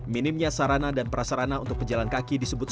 minimnya sarana dan prasarana untuk berjalan kaki disebutkan